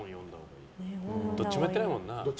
どっちもやってないもんな。